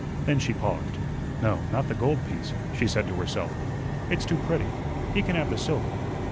Then she paused: "No, not the gold piece," she said to herself. "It's too pretty. He can have the silver."